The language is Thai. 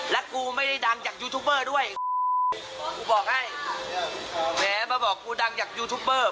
และกูไม่ได้ดังจากยูทูบเบอร์ด้วยกูบอกให้แหมมาบอกกูดังจากยูทูปเบอร์